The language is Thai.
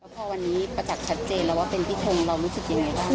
พอวันนี้ประจักษ์ชัดเจนแล้วว่าเป็นพี่ทงเรารู้สึกยังไงบ้าง